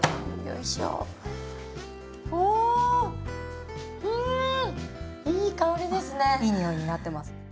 いい匂いになってます。